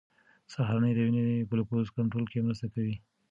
سهارنۍ د وینې ګلوکوز کنټرول کې مرسته کوي.